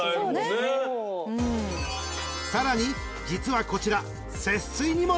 ［さらに実はこちら］